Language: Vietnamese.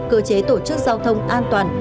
cơ chế tổ chức giao thông an toàn